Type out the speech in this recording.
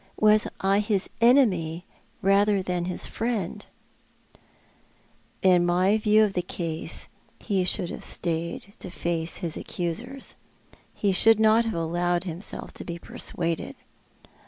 " Was I his enemy rather than his friend ?"" In my view of the case he should have stayed to face his accusers. lie should not have allowed himself to be persuaded."